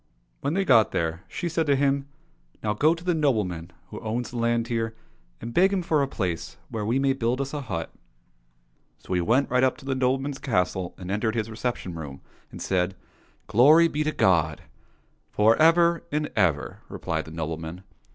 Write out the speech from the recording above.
When they got there, she said to him, '* Now go to the nobleman who owns the land here, and beg him for a place where we may build us a hut." So he went right up to the nobleman's castle and entered his reception room, and said, " Glory be to God !"—" For ever and ever !" replied the nobleman.